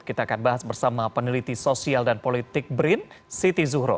kita akan bahas bersama peneliti sosial dan politik brin siti zuhro